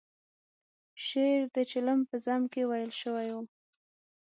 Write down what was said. شعر د چلم په ذم کې ویل شوی و.